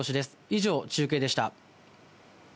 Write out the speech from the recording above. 以上、中継でした。